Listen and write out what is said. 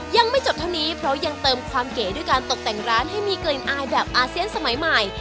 ยังไม่จบเท่านี้เพราะยังเติมความเก๋ด้วยการตกแต่งร้านให้มีกลิ่นอายแบบอาเซียนสมัยใหม่